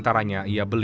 kursi royal weasel